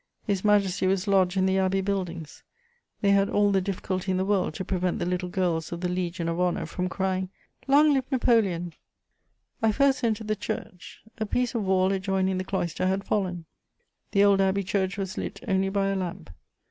His Majesty was lodged in the abbey buildings: they had all the difficulty in the world to prevent the little girls of the Legion of Honour from crying, "Long live Napoleon!" I first entered the church: a piece of wall adjoining the cloister had fallen; the old abbey church was lit only by a lamp.